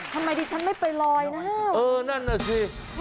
ทำไมที่ฉันไม่ไปล้อยแล้วเออนั่นแหละสิ